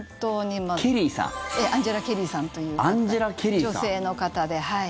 アンジェラ・ケリーさんという女性の方で。